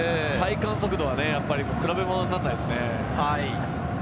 体感速度は比べ物にならないですね。